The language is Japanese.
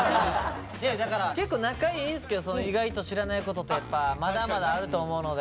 だから結構仲いいんすけど意外と知らないことってやっぱまだまだあると思うので。